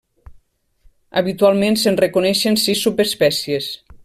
Habitualment se'n reconeixen sis subespècies.